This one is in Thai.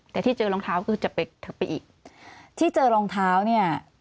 แต่ที่เจอรองเท้าคือจะไปอีกที่เจอรองเท้าเนี่ย